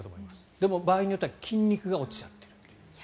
でも場合によっては筋肉が落ちちゃってるという。